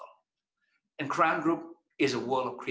dan crown group adalah dunia